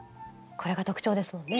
これが特徴ですもんね。